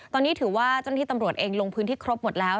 ตอนนี้ถือว่าเจ้าหน้าที่ตำรวจเองลงพื้นที่ครบหมดแล้ว